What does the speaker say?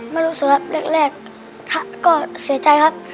ไม่รู้สึกครับแรกก็เสียใจครับ